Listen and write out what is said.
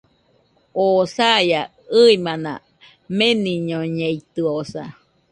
Oo saia, ɨimana meniñoñeitɨosa